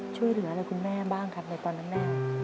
ช่วยเหลืออะไรคุณแม่บ้างครับในตอนนั้นแม่